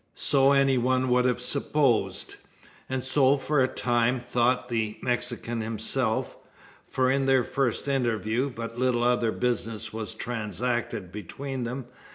So any one would have supposed. And so for a time thought the Mexican himself: for in their first interview, but little other business was transacted between them.